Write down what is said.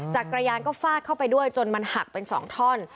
จักรยานก็ฟาดเข้าไปด้วยจนมันหักเป็น๒ท่อน